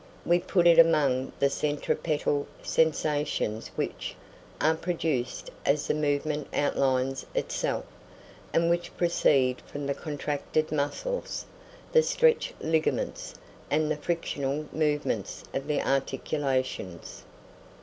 We put it among the centripetal sensations which, are produced as the movement outlines itself, and which proceed from the contracted muscles, the stretched ligaments, and the frictional movements of the articulations.